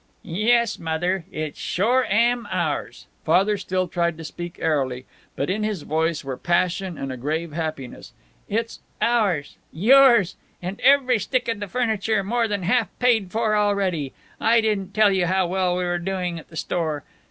"Yes, Mother, it sure am ours." Father still tried to speak airily, but in his voice were passion and a grave happiness. "It's ours yours! And every stick of the furniture more than half paid for already! I didn't tell you how well we're doing at the store.